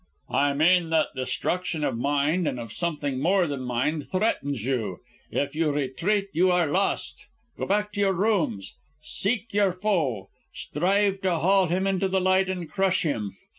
"I mean that destruction of mind, and of something more than mind, threatens you. If you retreat you are lost. Go back to your rooms. Seek your foe; strive to haul him into the light and crush him!